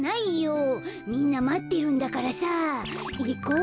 みんなまってるんだからさいこう。